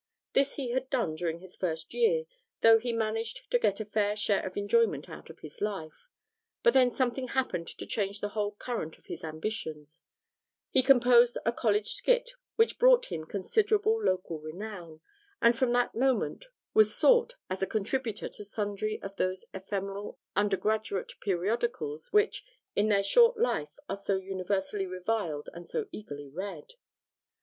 This he had done during his first year, though he managed to get a fair share of enjoyment out of his life, but then something happened to change the whole current of his ambitions he composed a college skit which brought him considerable local renown, and from that moment was sought as a contributor to sundry of those ephemeral undergraduate periodicals which, in their short life, are so universally reviled and so eagerly read.